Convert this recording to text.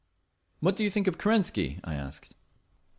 "What do you think of Kerensky?" I asked.